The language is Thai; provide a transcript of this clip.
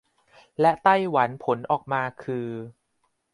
และไต้หวันผลออกมาคือ